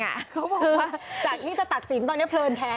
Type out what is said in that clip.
คือจากที่จะตัดสินตอนนี้เพลินแทน